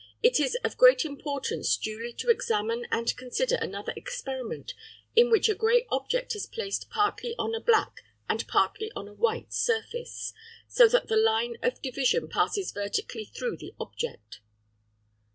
It is of great importance duly to examine and consider another experiment in which a grey object is placed partly on a black and partly on a white surface, so that the line of division passes vertically through the object.